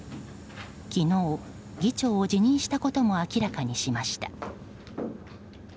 昨日、議長を辞任したことも明らかにしました。